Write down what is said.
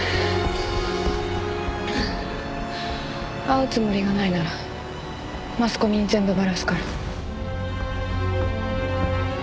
会うつもりがないならマスコミに全部バラすから。